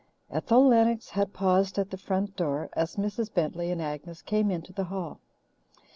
Ethel Lennox had paused at the front door as Mrs. Bentley and Agnes came into the hall.